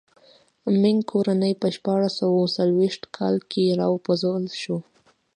مینګ کورنۍ په شپاړس سوه څلوېښت کاله کې را و پرځول شوه.